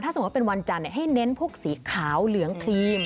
สมมุติเป็นวันจันทร์ให้เน้นพวกสีขาวเหลืองครีม